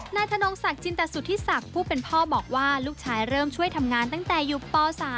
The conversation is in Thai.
นายธนงศักดิ์จินตสุธิศักดิ์ผู้เป็นพ่อบอกว่าลูกชายเริ่มช่วยทำงานตั้งแต่อยู่ป๓